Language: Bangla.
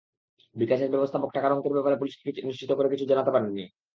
বিকাশের ব্যবস্থাপক টাকার অঙ্কের ব্যাপারে পুলিশকে নিশ্চিত করে কিছু জানাতে পারেননি।